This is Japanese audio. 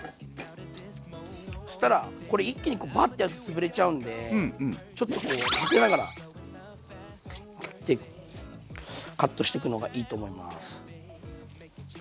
そしたらこれ一気にバッてやるとつぶれちゃうんでちょっとこう立てながら切っていくカットしていくのがいいと思います。